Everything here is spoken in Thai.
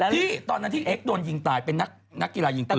ที่ตอนนั้นที่เอ็กซโดนยิงตายเป็นนักกีฬายิงปืน